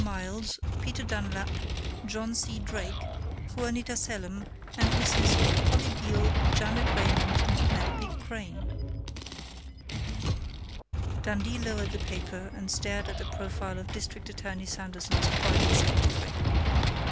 Miles, Peter Dunlap, John C. Drake, Juanita Selim, and Misses Polly Beale, Janet Raymond, and Penelope Crain." Dundee lowered the paper and stared at the profile of District Attorney Sanderson's private secretary.